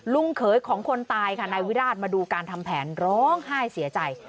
เขยของคนตายค่ะนายวิราชมาดูการทำแผนร้องไห้เสียใจ